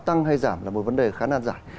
tăng hay giảm là một vấn đề khá nàn giải